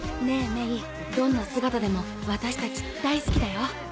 メイどんな姿でも私たち大好きだよ。